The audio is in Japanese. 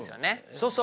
そうそう。